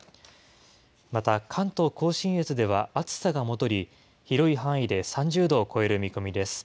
また、関東甲信越では暑さが戻り、広い範囲で３０度を超える見込みです。